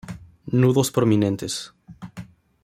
Nudos prominentes.